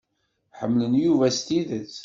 Ḥemmlen Yuba s tidet.